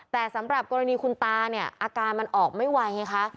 แต่สำหรับกรณีคุณตาเนี่ยอาการมันออกไม่ไหวไงคะ